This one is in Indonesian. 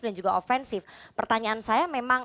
dan juga offensif pertanyaan saya memang